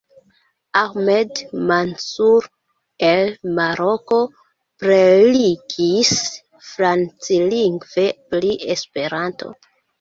Ahmed Mansur el Maroko prelegis franclingve pri Esperanto.